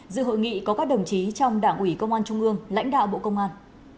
dự hội nghị có các đồng chí trong đảng ủy công an trung ương lãnh đạo bộ công an